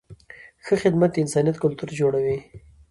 ښه خدمت د انسانیت کلتور جوړوي.